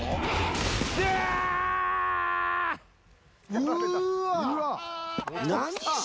うわ！